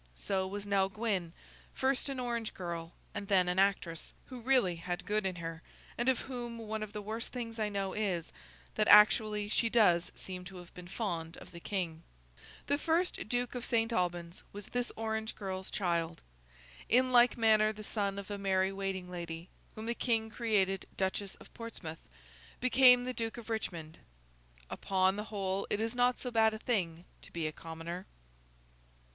So was Nell Gwyn, first an orange girl and then an actress, who really had good in her, and of whom one of the worst things I know is, that actually she does seem to have been fond of the King. The first Duke of St. Albans was this orange girl's child. In like manner the son of a merry waiting lady, whom the King created Duchess Of Portsmouth, became the Duke of Richmond. Upon the whole it is not so bad a thing to be a commoner.